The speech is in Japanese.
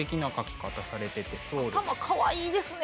頭かわいいですね。